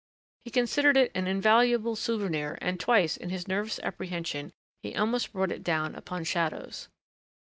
He considered it an invaluable souvenir and twice, in his nervous apprehension, he almost brought it down upon shadows.